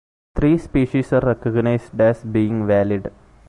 Three species are recognized as being valid.